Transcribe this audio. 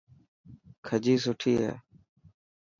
کجي سٺي هي.